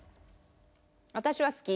私は好き。